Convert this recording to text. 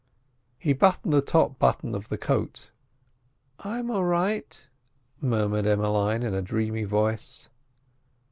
He buttoned the top button of the coat. "I'm a'right," murmured Emmeline in a dreamy voice.